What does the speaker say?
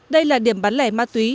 đây là điểm bán lẻ ma túy